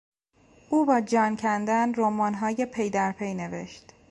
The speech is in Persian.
او با جان کندن رمانهای پی در پی نوشت.